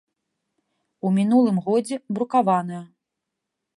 У мінулым годзе брукаваная.